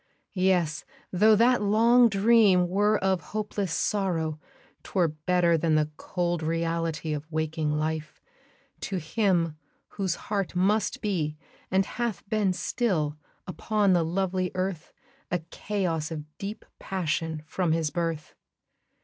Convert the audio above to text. Yes! tho' that long dream were of hopeless sorrow, 'Twere better than the cold reality Of waking life, to him whose heart must be, And hath been still, upon the lovely earth, A chaos of deep passion, from his birth.